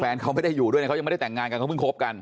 เขาไม่ได้อยู่ด้วยนะเขายังไม่ได้แต่งงานกันเขาเพิ่งคบกัน